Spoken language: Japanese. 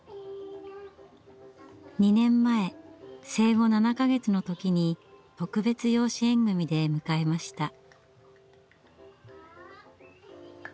２年前生後７か月の時に特別養子縁組で迎えました。